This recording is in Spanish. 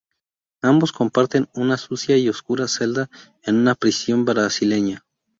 Ambos comparten una sucia y oscura celda en una prisión brasileña.